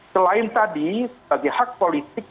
selain tadi sebagai hak politik